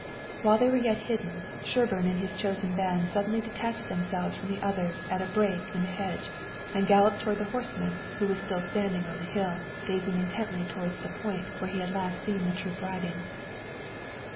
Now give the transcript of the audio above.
While they were yet hidden, Sherburne and his chosen band suddenly detached themselves from the others at a break in the hedge and galloped toward the horseman who was still standing on the hill, gazing intently toward the point where he had last seen the troop riding.